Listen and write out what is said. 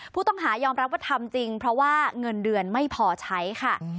ผู้ต้องหายอมรับว่าทำจริงเพราะว่าเงินเดือนไม่พอใช้ค่ะ